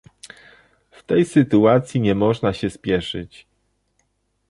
W tej sytuacji nie można się spieszyć